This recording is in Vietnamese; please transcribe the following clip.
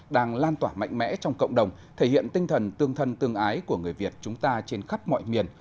đang lan tỏa mạnh mẽ trong cộng đồng thể hiện tinh thần tương thân tương ái của người việt chúng ta trên khắp mọi miền